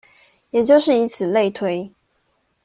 也就是以此類推